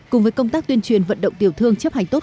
cùng với công tác tuyên truyền vận động tiểu thương chấp hành tốt